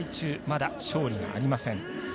まだ勝利がありません。